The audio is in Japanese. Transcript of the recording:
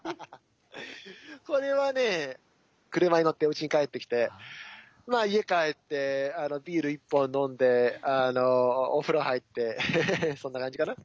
これはね車に乗ってうちに帰ってきて家帰ってビール１本飲んでお風呂入ってそんな感じかな。